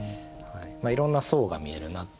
いろんな層が見えるなっていう。